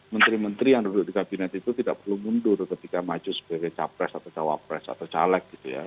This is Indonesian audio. menteri menteri yang duduk di kabinet itu tidak perlu mundur ketika maju sebagai capres atau cawapres atau caleg gitu ya